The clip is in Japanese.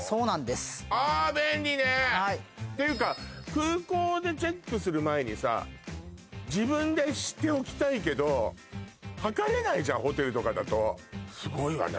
空港でチェックする前にさ、自分で知っておきたいけど、はかれないじゃん、ホテルとかだとすごいわね。